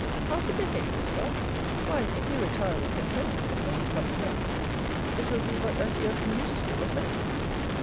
How to behave yourself! Why, if you retire with contempt of him, when he comes next, it will be but as you have been used to do of late.